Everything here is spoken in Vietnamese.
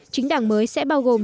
chính đảng mới sẽ bao gồm